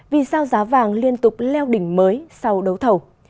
vì sao giá vàng liên tục leo đỉnh mới sau đấu thầu